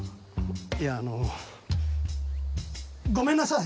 いやあのごめんなさい！